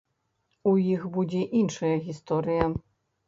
У іх будзе іншая гісторыя.